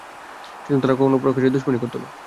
কিন্তু তারা কখনো প্রকাশ্যে দুশমনি করত না।